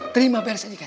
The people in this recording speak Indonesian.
terima beres aja kan